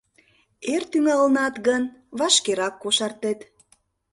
— Эр тӱҥалынат гын, вашкерак кошартет.